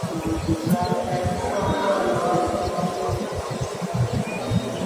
Marafiki wakubwa wa Lowassa ni watu wenye pesa na matajiri